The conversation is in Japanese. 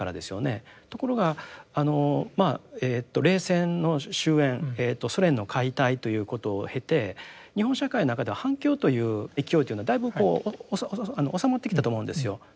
ところがあの冷戦の終焉ソ連の解体ということを経て日本社会の中では反共という勢いというのはだいぶこう収まってきたと思うんですよ。